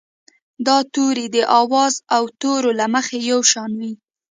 دا توري د آواز او تورو له مخې یو شان وي.